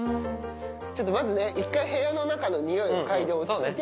ちょっとまずね、一回部屋の中のにおい嗅いで落ち着いて。